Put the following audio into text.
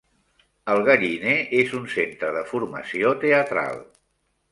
El Galliner és un centre de formació teatral.